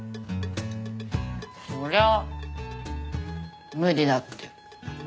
そりゃ無理だって。